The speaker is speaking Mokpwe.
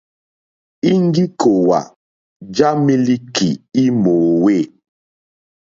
Íŋɡí kòòwà já mílíkì í mòòwê.